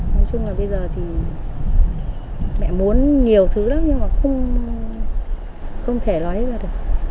nói chung là bây giờ thì mẹ muốn nhiều thứ lắm nhưng mà không thể nói hết ra được